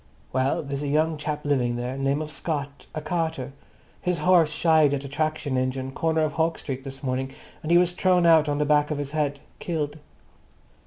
"Well, there's a young chap living there, name of Scott, a carter. His horse shied at a traction engine, corner of Hawke Street this morning, and he was thrown out on the back of his head. Killed."